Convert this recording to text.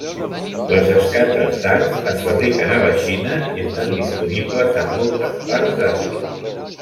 Les escates d'arç es fabriquen a la Xina i estan disponibles en moltes parts d'Àsia.